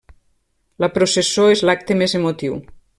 La processó és l'acte més emotiu.